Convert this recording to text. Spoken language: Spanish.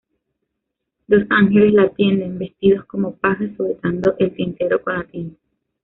Dos ángeles la atienden, vestidos como pajes, sujetando el tintero con la tinta.